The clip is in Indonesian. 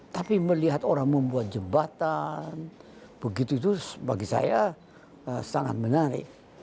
tapi melihat orang membuat jembatan begitu itu bagi saya sangat menarik